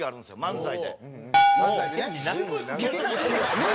漫才でね。